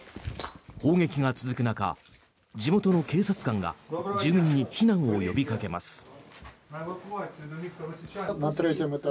砲撃が続く中地元の警察官が住民に避難を呼びかけます。